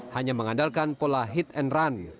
hanya mengandalkan pola hit and run